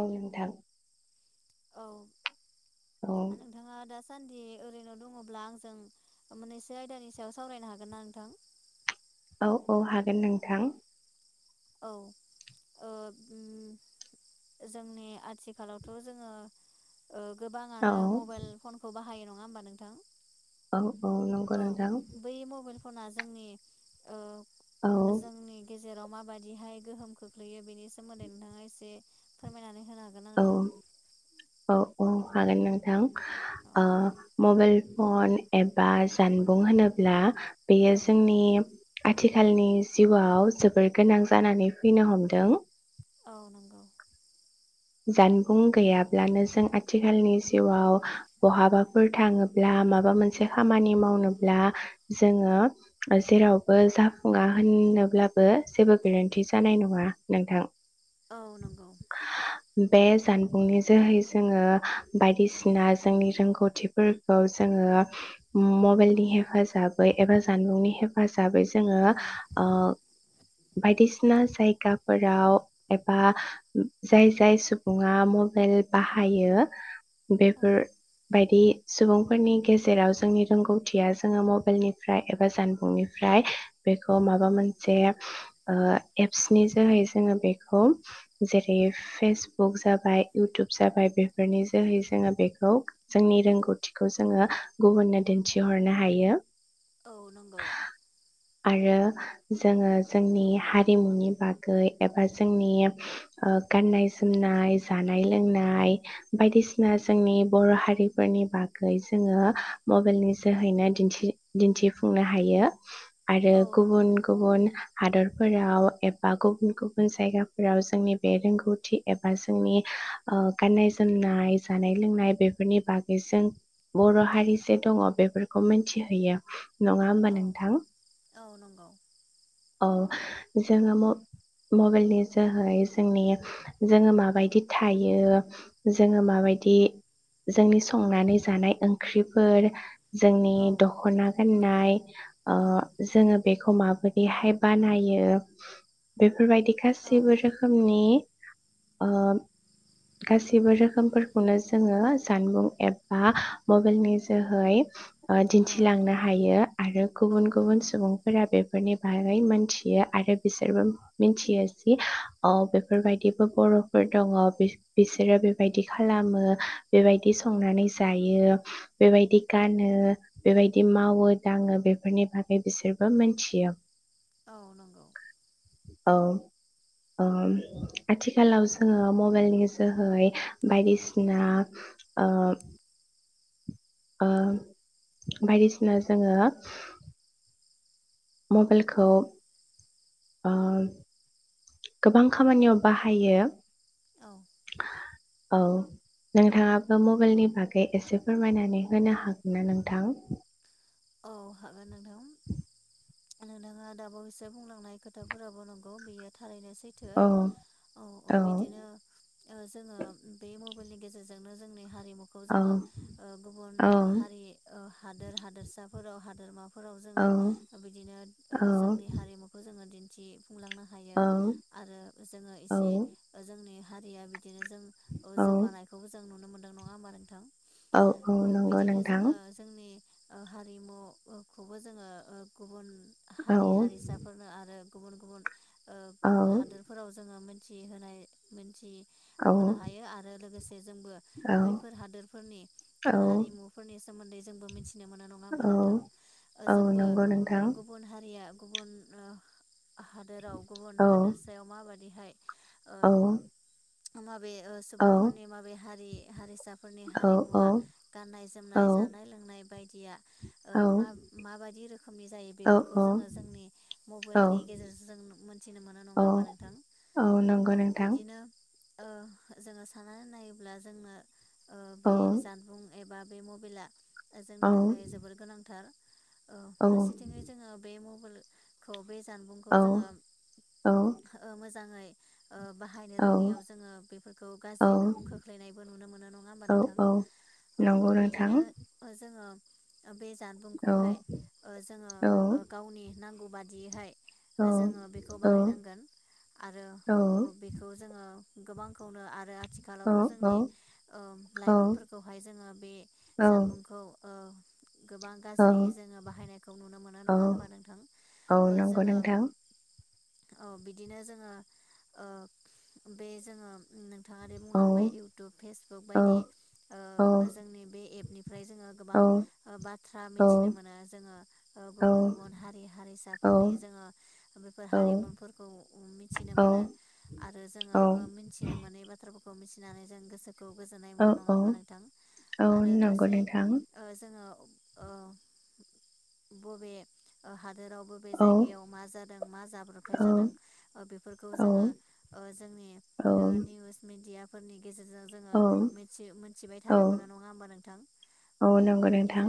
औ नोंथां। औ। औ नोंथाङा दा सान सान्दि ओरैनो दङब्ला आंजों मोननैसो आयदानि सायाव सावरायनो हागोन ना नोंथां? औ औ हागोन नोंथां। औ ओ जोंनि आथिखालावथ' जोङो ओ औ गोबाङानो मबाइल फनखौ बाहायो नं ङा होमबा नोंथां औ औ नोंगौ नोंथां। बै मबाइल फना जोंनि ओ औ जोंनि गेज जेराव माबाद बिदिहाय गोहोम खोख्लैयो बेनि सोमोन्दै नोंथाङा एसे फोरमायनानै होनो हागोन ना औ नोंथां? औ औ औ। हागोन नोंथां। औ ओ मबाइल फन एबा जानबुं होनोब्ला बेयो औ जोंनि आथिखालनि जिउआव जोबोर गोनां जानानै फैनो हमदों। औ नंगौ। जानबुं गैयाब्लानो जों आथिखालनि जिउआव बहाबाफोर थाङोब्ला माबा मोनसे खामानि मावनोब्ला जोङो जेरावबो जाफुङा होनोब्लाबो जेबो गोरोन्थि जानाय नङा नोंथां। औ नोंगौ। बे जानबुंनि जोहै जोङो बायदिसिना जोंनि रोंगौथिफोरखौ जोङो मबाइलनि हेफाजाबै एबा जानबुंनि हेफाजा बै जोङो औ ओ बायदिसिना जायगाफोराव एबा उम जाय जाय सुबुङा मबाइल बाहायो बेफोर औ बायदि सुबुंफोरनि गेजेराव जोंनि रोंगौथिया जोङो मबाइलनिफ्राय एबा जानबुंनिफ्राय बेखौ माबा मोनसे ओ एप्सनि जोहै जोङो बेखौ जेरै फेसबुक जाबाय इउटुब जाबाय बेफोरनि जोहै जोङो बेखौ जोंनि रोंगौथिखौ जोङो गुबुननो दिन्थिहरनो हायो। औ नोंगौ। आरो जोङो जोंनि हारिमुनि बागै एबा जोंनि ओ गाननाय जोमनाय जानाय लोंनाय बायदिसिना जोंनि बर' हारिफोरनि बागै जोङो मबाइलनि जोहैनो दिन्थि-दिन्थिफुंनो हायो। आरो औ गुबुन नंगौ गुबुन हादर फोराव एबा गुबुन गुबुन जायगाफोराव जोंनि बे रोंगौथि एबा जोंनि ओ गाननाय जोमनाय जानाय लोंनाय बेफोरनि बागै जों बर' हारि जे दङ बेफोरखौ मोन्थिहैयो। नङा होमबा औ नोंथां? औ नंगौ औ। जोङो म-मबाइलनि जोहै जोंनि जोङो माबायदि थायो जोङो माबायदि जोंनि संनानै जानाय ओंख्रिफोर जोंनि औ दख'ना गान नाय ओ औ जोङो बेखौ माबोरैहाय बानायो बेफोरबायदि औ गासैबो रोखोमनि ओ गासैबो रोखोमफोरखौनो जोङो जानबुं एबा मबेइलनि जोहै ओ औ दिन्थिलांनो हायो आरो औ गुबुन गुबुन नंगौ सुबुंफोरा बे फोरनि बागै मोन्थियो आरो बिसोरबो मिन्थियो जि अ बेफोरबायदि बो बर'फोर दङ बि-बिसोरो बेबायदि खालामो बेबायदि संनानै जायो बेबायदि गानो बेबायदि मावो दाङो बेफोरनि बागै बिसोरबो मोन्थियो। औ नंगौ औ उम। आथिखालाव जोङो मबाइलनि जोहै बायदिसिना ओ ओ बायदिसिना जोङो औ मबेइलखौ औ ओ गोबां खामानियाव बाहायो। औ। औ, नोंथाङाबो मबाइलनि बागै एसे फोरमायनानै होनो हागोन ना नोंथां? औ हागोन नोंथां। [unintelligible] नोंथाङा दाबावैसो बुंलांनाय खोथाफोराबो नंगौ बियो थारैनो सैथो। औ औ ओ बिदिनो ओ जोङो बे म बाइल नि गेजेरजोंनो जोंनि हारि मुखौ औ जोङो ओ गुबुन ओ औ हारि ओ हादोर हादोरसा ओ हादोरमा फोराव जोङो औ ओ बिदिनो ओ औ जोंनि हारिमुखौ जोङो दिन थि फुंलांनो हायो औ आरो जोङो औ एसे ओ जोंनि हारिया बि दिनो जों अ औ जौगानायखौबो जों नुनो मोनो। नङा होनबा नोंथां? औ बिदिनो जोङो जोंनि अ हारिमु ओ खौबो जोङो ओ गुबुन औ हारि हारिसाफोरनो आरो गुबुन गुबुन औ हादोरफोराव जोङो मिथि होनाय मोनथि होनो हायो आरो लोगोसे जोंबो औ बैफोर हादोरफोरनि औ ओ हारिमुफोरनि सोमोन्दै जोंबो मिथिनो मोनो। नङा होमबा औ नोंथां ओ औ जोंबो नंगौ नोंथां गुबुन हारिया गुबुन ओ हादोराव गुबुन औ हादोरसायाव माबादिहाय ओ औ [unintelligible] माबे औ सुबुंफोरनि माबे हारि हारिसा फोरनि औ औ हारिमुवा गाननाय जोमनाय औ जानाय लोंनाय बायदिया ओ माब औ माबायदि रोखोमनि जायो बेफोरखौ जोङो जोंनि औ मबाइलनि गेजेरजों जों मोनथिनो मोनो नङा औ होमा नोंथां औ नंगौ औ नोंथां बिदिनो ओ जोङो साननानै नायोब्ला जोंनो ओ औ बे जानबुं एबा बे मबेला औ जोंनि थाख खै जोबोर गोनांथार औ फारसेथिङै जोङो बे म खौ बे जानबुंखौ औ जोङो औ ओ मोजाङै [inaudible] बाहायनो औ रोङैयाव जोङो बेफोरखौ औ गाज्रि गोहोम खोख्लैनायबो नुनो मोनो नङा होमबा औ नोंथां औ नंगौ औ नोंथां बिदिनो ओ जोङो बे औ जानबुंखौहाय ओ जोङो औ ओ गावनि नांगौ बादियोहाय औ जोङो बेखौ औ बाहायनांगोन आरो औ ओ बेखौ जोङो गोबांखौनो आरो औ थिखालावथ' औ जोंनि लाइमोनफोरखौहाय जोङो बे औ जानबुंखौ ओ गोबां औ गाज्रि जोङो बाहायनायखौ नुनो मोनो औ नङा होमबा नोंथां औ ओ नंगौ जोङो नोंथां औ बिदिनो जोङो ओ बे जोङो थाङादि औ बुंलांबाय इउटुब फेसबुक औ बायदि औ ओ जोंनि बे एप निफ्राय जोङो गोबां औ ओ बाथ्रा औ मिथिनो मोनो जोङो ओ औ गुबुन गुबुन हारि औ हारिसाफोरनि जोङो बेफोर हारिमुफोरखौ मिथिनो औ मोनो आरो जोङो ओ मिथिनो मोनै बाथ्राफोरखौ खौ मिथिनानै जों गोसो खौ गोजोन्नाय मोननाय नङा होमबा नोंथां आरो नंगौ गासै नोंथां औ जोङो ओ बबे हा दोरावबो बे जायगायाव मा जादों मा जाब्रबथाय जादों ओ बेफोरखौ जोङो ओ जोंनि औ ओ निउस मिडियाम [unintelligible] गेजेरजों जोङो औ मिथियो मिथिबाय थानो औ मोनो नङा होमबा नोंथां? औ नंगौ नोंथां।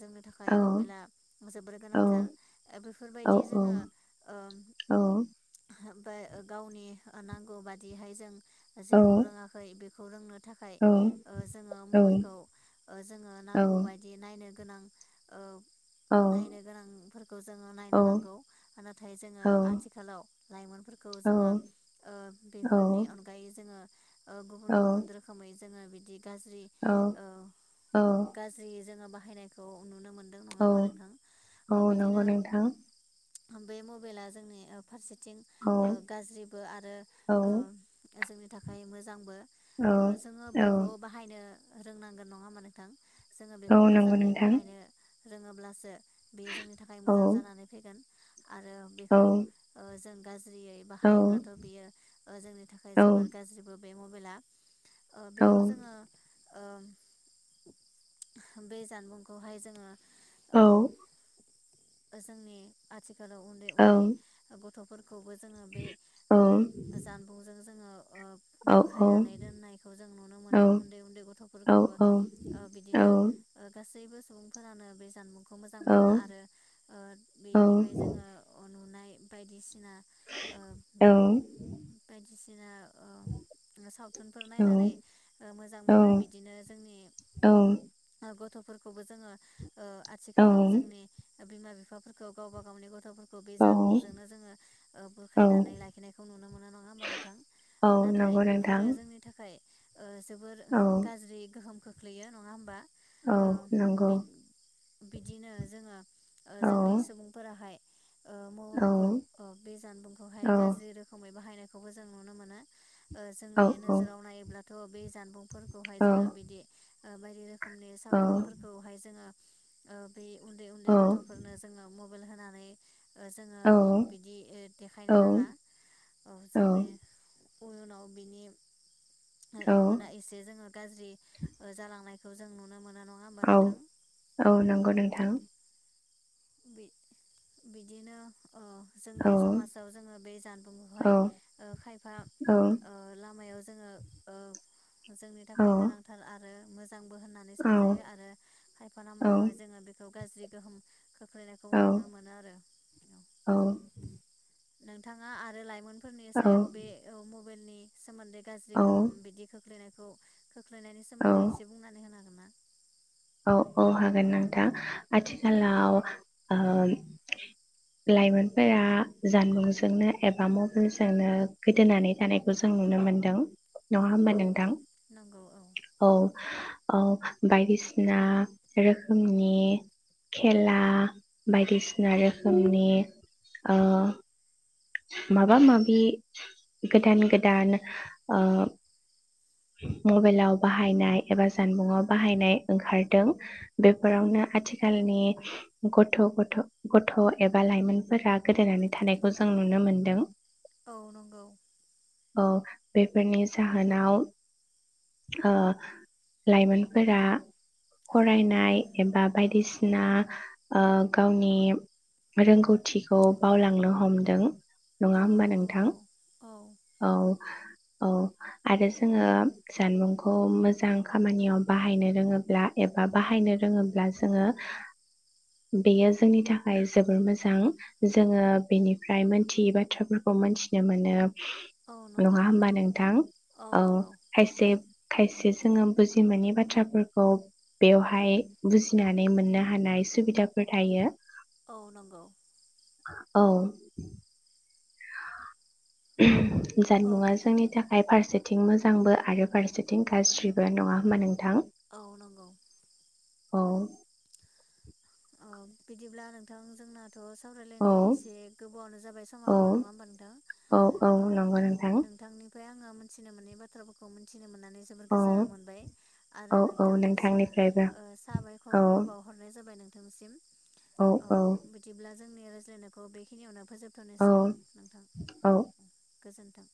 जोंनि थाखाय औ मबाइला जोबोर औ गोनांथार ओ औ बेफोरबायदि जोङो ओ औ गावनि नांगौ बादिहाय जों औ जेखौ रोङाखै बे खौ रोंनो थाखाय औ ओ जोङो औ मबेलखौ जोङो औ नांगौ बायदि नाय नो गोनां ओ औ नायनो गोनांफोरखौ जोङो औ नायनो नांगौ नाथाय जोङो आथिखालाव लाइमोनफोरखौ जोङो बेफोरनि अनगायै जोङो ओ गुबुन औ गुबुन रोखोमै जोङो बिदि गाज्रि औ ओ गाज्रि जोङो बाहायनायखौ नुनो मोन औ औ नंगौ नोंथां। थां बे मबेला जोंनि ओ फारसे थिं औ गाज्रिबो आरो औ ओ जोंनि नि थाखाय मोजांबो। औ ओ जोङो औ बेखौ बाहायनो रोंनांगोन नङा माने थां। जोङो औ बेखौ नंगौ मोजाङै नोंथां बाहायनो रोङोब्लासो बेयो जोंनि थाखाय औ मोजां जानानै फैगोन। आरो औ बेखौ ओ जों जेयै औ बाहायोब्लाथ' बियो ओ जोंनि थाखाय औ जोबोर गाज्रिबो। बे मबाइला ओ औ बेखौ जोङो ओ बे जानबुंखौहाय जोङो औ। ओ जोंनि आथिखालाव औ। गथ'फोर खौबो जोङो बे ओ जानबुंजों जों ओ बुरखायनानै दोननायखौ जों नुनो मोनो उन्दै उन्दै गथ'फोरखौबो ओ बिदिनो ओ गासैबो सुबुंफोरानो बे जानबुं खौ मोजां औ मोनो आरो ओ औ बेनिफाय औ जोङो अर नुनाय बायदिसि सिना ओ औ बायदिसिना ओ सावथुनफोर औ नायनानै मोजां औ मोनो बिदिनो जोंनि औ। गथ'फोरखौबो जोङो ओ आथिखालाव जोंनि बिमा बिफाफोरखौ गावबा गावनि गथ'फोर खौ बे औ जानबुंजोंनो जोङो ओ बुरखायनानै लाखिनायखौ नुनो मोनो नङा होमबा नोंथां औ नाथाय नंगौ नोंथां बेफोरो जोंनि थाखाय ओ जोबोर औ गाज्रि गोहोम खोख ख्लैयो नङा होमबा? औ नंगौ बि बिदिनो जोङो ओ जोंनि सुबुंफोराहाय ओ औ महरखौ बे जानबुंखौहाय गाज्रि रोखोमै बाहायनाय बेखौबो जों नुनो मोनो ओ औ जोंनि नोजोराव नायोब्ला थ' बे जानबुंफोर खौहाय औ जोङो बिदि ओ बायदि‌ रो रोखोमनि सावथुनफोरखौहाय जोङो ओ बै उन्दै उन्दै गथ'फोरनो जोङो मब बेल होनानै ओ जोङो ओ बिदि देखायनो नाङा औ जोंनि उनाव बिनि ओ इयुना एसे जोङो गाज्रि जालांनायखौ जों नुनो मोनो नङा होमबा औ नोंथां? औ नंगौ नोंथां। बि बिदिनो ओ औ जोंनि समाजाव जोङो बे औ जानबुंखौहाय ओ खायफा औ औ ओ लामायाव जो जोंनि थाखाय गोनांथार आरो मोजांबो होननानै सानजायो आरो खायफा लामायावहाय जोङो बेखौ गाज्रि गोहोम खोग ख्लैनायखौ औ नुनो मोनो आरो। नोंथाङा आरो लाइमोन फोरनि सायाव बे ओ मब फोरनि सोमोन्दै गाज्रि गोहोम बिदिखौ खोख्लैनायखौ खोख्लैनायनि सोमोन्दै एसे बुंनानै होनो हागोन ना? औ औ हागोन नोंथां आथिखालाव ओ लाइमोनफोरा जानबुंजोंनो एबा मबाइलजोंनो गोदोनानै थानायखौ जों नुनो मोनदों। नङा औ होमबा नोंथां औ। औ बायदिसि ना रोखोमनि खेला बायदिसिना रोखोमनि ओ। माबा माबि गोदान गोदान ओ। मबाइलाव बाहायनाय एबा जानबुं आव बाहायनाय ओंखारदों। औ बेफोरावनो आथि खालनि गथ' गथ' गथ' एबा लाइमोनफोरा गोदोनानै थानायखौ जों नुनो मोनदों। औ नंगौ। औ बेफोरनि जाहोनाव ओ लाइमोनफोरा औ फरायनाय एबा बायदिसिना ओ गावनि रोंगौथिखौ बावलांनो हमदों। नङा औ होमबा नोंथां नंगौ औ औ। औ आरो जोङो जानबुंखौ मोजां खामानियाव बाहायनो रोङोब्ला एबा बाहायनो रोङोब्ला जोङो बेयो जोंनि थाखाय जोबोर मोजां जोङो बेनिफ्राय मोनथियै बाथ्राफोरखौ मोनथिनो मोनो। औ नंगौ नङा होमबा नोंथां। औ खायसे खायसे जोङो बुजिमोनै बाथ्राफोरखौ बेवहाय बुजिनानै मोननो हानाय सुबिदाफोर थायो। औ नंगौ। औ [inaudible] औ जानबुंङा जोंनि थाखा य फारसेथिं मोजांबो आरो फारसेथिं गाज्रिबो नङा होमबा नोंथां। औ नंगौ। औ औ बिदिब्ला नोंथां जोंना थ' औ सावरायलायनाया एसे गोबावावनो जाबाय समाबो नङा होमबा नोंथां औ नोंथांनि ओमफ्राय आङो मोनथिनो मोननाय बाथ्राफोरखौ मिथि नानै जोबोर औ गोजोनां मोनबाय आरो औ औ नोंथांनिसिम नोंथांनिफ्रायबो ओ औ साबायखरबो बावहरनाय जाबाय नों नोंथांनिसिम। औ औ जोंनि रायज्लायनायखौ बेखिनियावनो फोजोबथ'नोसै औ नोंथां। औ गोजोन्थों।